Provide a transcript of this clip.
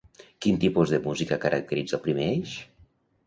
Quin tipus de música caracteritza el primer eix?